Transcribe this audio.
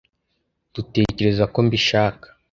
dutekereza ko mbishaka.